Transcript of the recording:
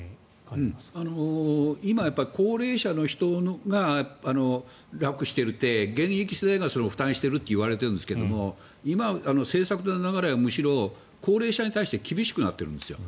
今、高齢者の人が楽していて、現役世代がそれを負担しているといわれてますが今、政策の流れはむしろ高齢者に対して厳しくなってるんです。